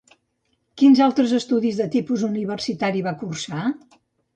Quins altres estudis de tipus universitari va cursar?